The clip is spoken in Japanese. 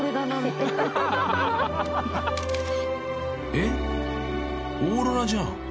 ［えっ？オーロラじゃん］